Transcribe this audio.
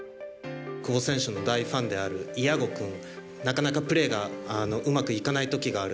久保選手の大ファンであるイアゴ君、なかなかプレーが、うまくいかないときがある。